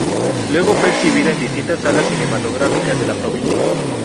Luego fue exhibida en distintas salas cinematográficas de la provincia.